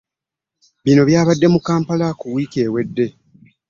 Bino byabadde mu Kampala ku wiikendi ewedde.